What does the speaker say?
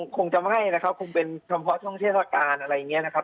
คงจะไม่นะครับคงเป็นเฉพาะช่วงเทศกาลอะไรอย่างนี้นะครับ